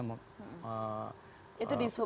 maka kita bisa menghentikan operasional